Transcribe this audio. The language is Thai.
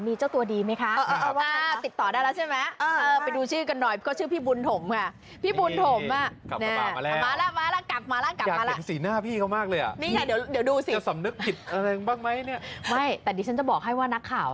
ไม่แต่ดิฉันจะบอกให้ว่านักข่าว